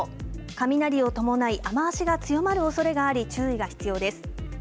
雷を伴い、雨足が強まるおそれがあり、注意が必要です。